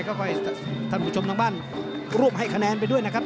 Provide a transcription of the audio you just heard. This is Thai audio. ก็ให้ท่านผู้ชมทางบ้านร่วมให้คะแนนไปด้วยนะครับ